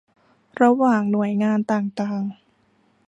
ระหว่างหน่วยงานต่างต่าง